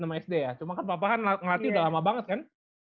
iya kelas enam sd ya cuma kan papa kan ngelatih udah lama banget kan